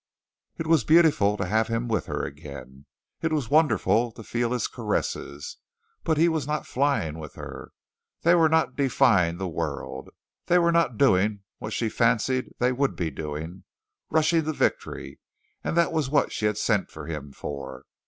It was beautiful to have him with her again. It was wonderful to feel his caresses. But he was not flying with her. They were not defying the world; they were not doing what she fancied they would be doing, rushing to victory, and that was what she had sent for him for.